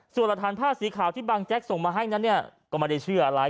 ส่วนหลักฐานผ้าสีขาวที่บางแจ็คส่งมาให้ก็ไม่ได้เชื่ออะไร